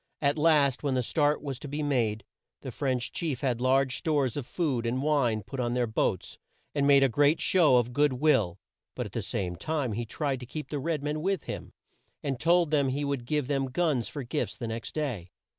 At last, when the start was to be made, the French chief had large stores of food and wine put on their boats, and made a great show of good will, but at the same time he tried to keep the red men with him, and told them he would give them guns for gifts the next day.